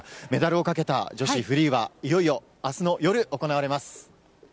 メダルをかけた女子フリーは、いよいよあすの夜行われます。